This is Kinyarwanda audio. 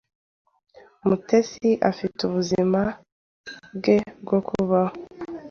Mutesi afite ubuzima bwe bwo kubaho.